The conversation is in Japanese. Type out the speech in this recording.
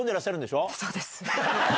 そうです。